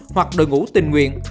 hoặc đội ngũ tình nguyện